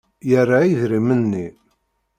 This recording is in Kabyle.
Yerra idrimen-nni.